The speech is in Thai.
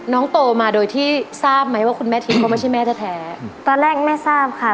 โตมาโดยที่ทราบไหมว่าคุณแม่ทิพย์เขาไม่ใช่แม่แท้แท้ตอนแรกแม่ทราบค่ะ